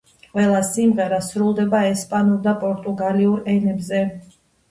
ყველა სიმღერა სრულდება ესპანურ და პორტუგალიურ ენებზე.